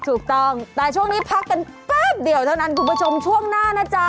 ถูกต้องแต่ช่วงนี้พักกันแป๊บเดียวเท่านั้นคุณผู้ชมช่วงหน้านะจ๊ะ